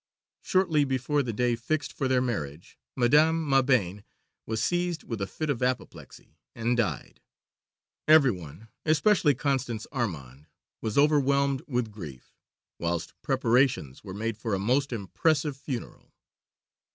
Shortly before the day fixed for their marriage Madame Mabane was seized with a fit of apoplexy and died. Every one, especially Constance Armande, was overwhelmed with grief, whilst preparations were made for a most impressive funeral.